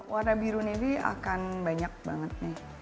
warna biru navy akan banyak banget nih